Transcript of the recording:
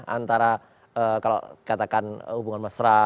antara kalau katakan hubungan mesra